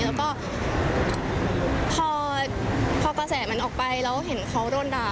แล้วก็พอกระแสมันออกไปแล้วเห็นเขาโดนด่า